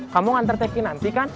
kamu nganter teki nanti kan